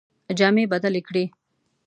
جامې بدلي کړې.